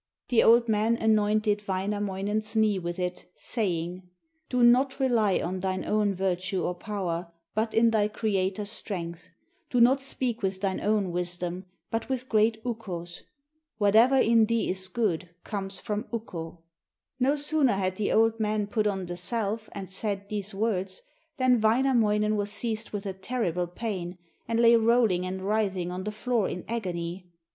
The old man anointed Wainamoinen's knee with it, saying: 'Do not rely on thine own virtue or power, but in thy creator's strength; do not speak with thine own wisdom, but with great Ukko's. Whatever in thee is good comes from Ukko.' No sooner had the old man put on the salve and said these words, than Wainamoinen was seized with a terrible pain, and lay rolling and writhing on the floor in agony.